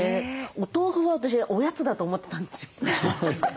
お豆腐は私おやつだと思ってたんですよ。